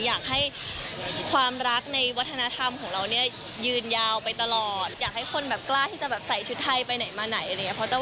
อยากให้ความรักในวัฒนธรรมของเราเนี่ยยืนยาวไปตลอดอยากให้คนแบบกล้าที่จะแบบใส่ชุดไทยไปไหนมาไหนอะไรอย่างนี้